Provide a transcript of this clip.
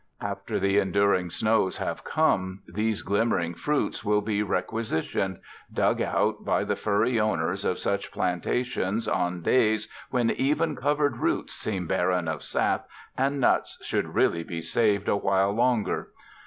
After the enduring snows have come, these glimmering fruits will be requisitioned—dug out by the furry owners of such plantations on days when even covered roots seem barren of sap, and nuts should really be saved awhile longer.